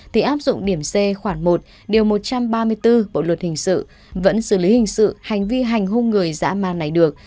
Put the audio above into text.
thì áp dụng điểm c khoảng một điều một trăm ba mươi bốn bộ luật hình sự vẫn xử lý hình sự hành vi hành hung người dã man này được